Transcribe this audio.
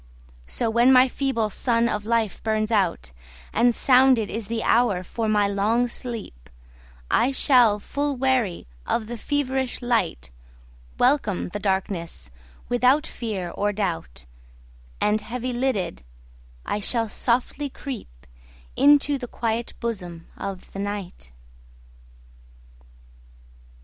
So when my feeble sun of life burns out, And sounded is the hour for my long sleep,I shall, full weary of the feverish light, Welcome the darkness without fear or doubt, And heavy lidded, I shall softly creepInto the quiet bosom of the Night.